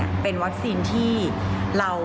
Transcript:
ก็คือเป็นการสร้างภูมิต้านทานหมู่ทั่วโลกด้วยค่ะ